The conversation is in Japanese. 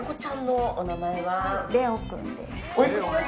レオ君です。